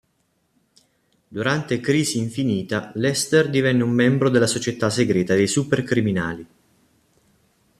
Durante "Crisi Infinita", Lester divenne un membro della Società segreta dei supercriminali.